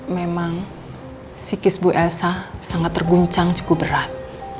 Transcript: memang psikis bu elsa sangat terguncang cukup berat